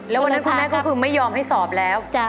แล้ววันนั้นคุณแม่ก็คือไม่ยอมให้สอบแล้ว